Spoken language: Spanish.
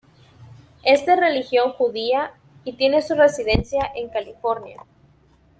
Es de religión judía, y tiene su residencia en California.